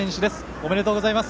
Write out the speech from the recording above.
おめでとうございます。